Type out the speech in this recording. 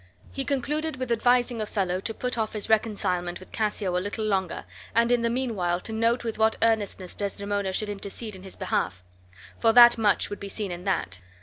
He concluded with advising Othello to put off his reconcilement with Cassio a little longer, and in the mean while to note with what earnestness Desdemona should intercede in his behalf; for that much would be seen in that.